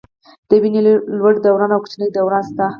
د وینې لوی دوران او کوچني دوران شته.